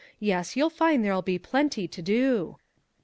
Yes, you'll find there'll be plenty to do!"